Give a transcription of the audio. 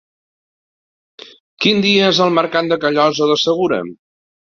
Quin dia és el mercat de Callosa de Segura?